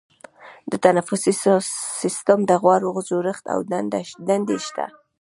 د تنفسي سیستم د غړو جوړښت او دندې شته.